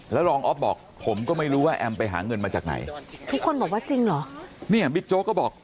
แล้วรองอ๊อฟบอกผมก็ไม่รู้ว่าแอมไปหาเงินมาจากไหนทุกคนบอกว่าจริงเหรอเนี่ยบิ๊กโจ๊กก็บอก